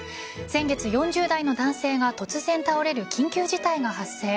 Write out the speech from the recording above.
先月、４０代の男性が突然倒れる緊急事態が発生。